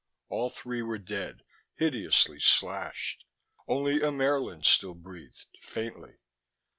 All three were dead, hideously slashed. Only Ammaerln still breathed, faintly.